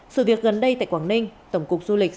sự việc gần đây tại quảng ninh tổng cục du lịch